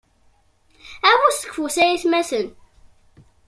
Afus deg ufus ay atmaten.